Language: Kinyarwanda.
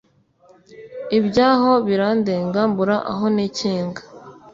ibyaho birandenga mbura aho nikinga !